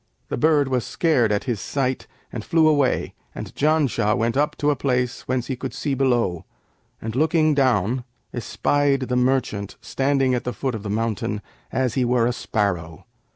The bird was scared at his sight and flew away, and Janshah went up to a place whence he could see below, and looking down, espied the merchant standing at the foot of the mountain, as he were a sparrow.